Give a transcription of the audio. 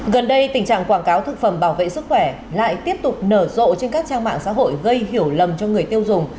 gần đây tình trạng quảng cáo thực phẩm bảo vệ sức khỏe lại tiếp tục nở rộ trên các trang mạng xã hội gây hiểu lầm cho người tiêu dùng